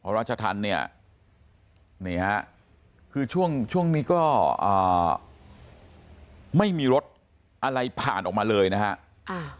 ราชธรรมเนี่ยนี่ฮะคือช่วงนี้ก็ไม่มีรถอะไรผ่านออกมาเลยนะฮะ